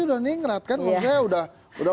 udah ningrat kan maksudnya udah